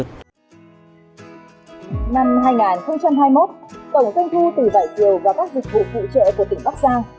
năm hai nghìn hai mươi một tổng doanh thu từ vải thiều và các dịch vụ phụ trợ của tỉnh bắc giang